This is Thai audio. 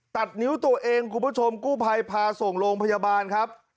ตัดนิ้วตัวเองคุณผู้ชมกู้ภัยพาส่งโรงพยาบาลครับ